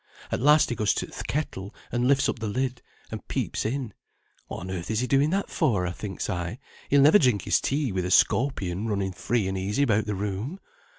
At last he goes to th' kettle, and lifts up the lid, and peeps in. What on earth is he doing that for, thinks I; he'll never drink his tea with a scorpion running free and easy about the room.